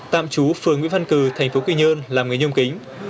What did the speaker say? tạm chú phường nguyễn văn cử tp quy nhơn làm người nhôm kính